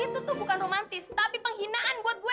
itu tuh bukan romantis tapi penghinaan buat gue